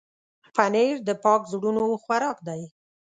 پنېر د پاک زړونو خوراک دی.